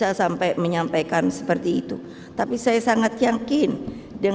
anjing itu tengoknya kepadanya bisa ter dipisahkan dgn